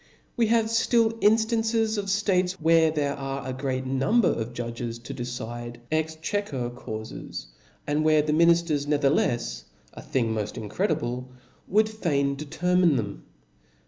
Wc have ftill inftances of ftates where there are a great number of judges to decide exchequer caufes, and where the minifters never thelefs (a thing moft incredible!) would fain determine them.